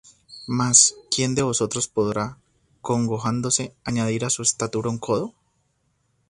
Mas ¿quién de vosotros podrá, congojándose, añadir á su estatura un codo?